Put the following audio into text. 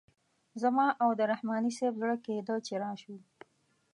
زما او د رحماني صیب زړه کیده چې راشو.